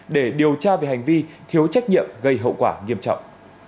để điều tra về hành vi thiếu trách nhiệm gây hậu quả nghiêm trọng